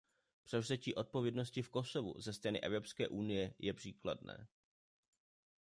Převzetí odpovědnosti v Kosovu ze strany Evropské unie je příkladné.